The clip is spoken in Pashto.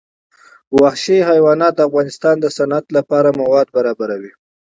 وحشي حیوانات د افغانستان د صنعت لپاره مواد برابروي.